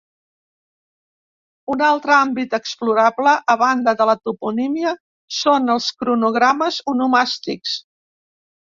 Un altre àmbit explorable, a banda de la toponímia, són els cronogrames onomàstics.